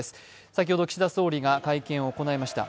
先ほど岸田総理が会見を行いました。